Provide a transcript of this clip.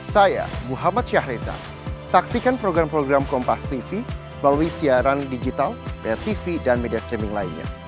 saya muhammad syahriza saksikan program program kompas tv melalui siaran digital bayar tv dan media streaming lainnya